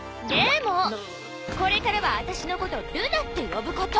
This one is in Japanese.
これからは私のことルナって呼ぶこと！